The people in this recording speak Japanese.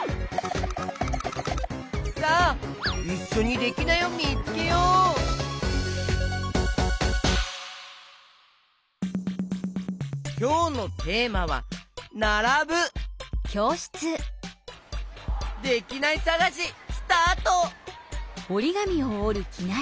さあいっしょにきょうのテーマは「ならぶ」できないさがしスタート！